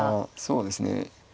そうですね。